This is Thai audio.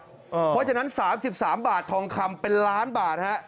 เพราะฉะนั้น๓๓บาททองคำเป็นล้านบาทฮะ